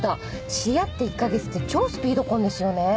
知り合って１か月って超スピード婚ですよね。